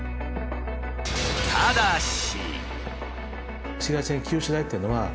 ただし。